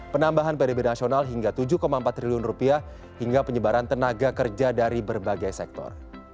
penambahan pdb nasional hingga rp tujuh empat triliun rupiah hingga penyebaran tenaga kerja dari berbagai sektor